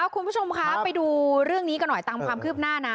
คุณผู้ชมคะไปดูเรื่องนี้กันหน่อยตามความคืบหน้านะ